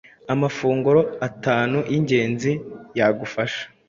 Amafunguro atanu y’ingenzi yagufasha